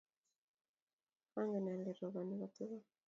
Ange ale ripon kotukul